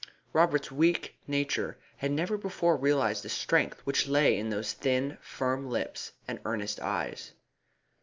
Robert's weak nature had never before realised the strength which lay in those thin, firm lips and earnest eyes.